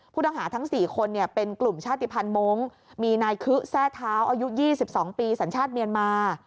ผู้ต้องหาทั้ง๔คนเป็นกลุ่มชาติภัณฑ์มงค์มีนายคึ่เท้าอายุ๒๒ปีสัญชาติเมียนมา